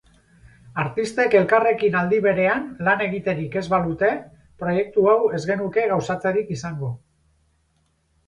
Artistek elkarrekin aldi-berean lan egiterik ez balute, proiektu hau ez genuke gauzatzerik izango.